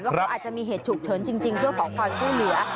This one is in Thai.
เขาอาจจะมีเหตุฉุกเฉินจริงเพื่อขอความช่วยเหลือ